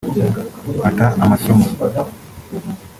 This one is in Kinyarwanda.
ata amasomo